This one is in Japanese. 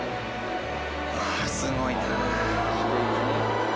「ああすごいな」